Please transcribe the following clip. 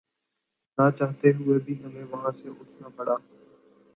ناچاہتے ہوئے بھی ہمیں وہاں سے اٹھنا پڑا